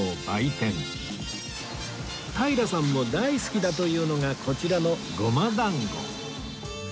平さんも大好きだというのがこちらのごまだんご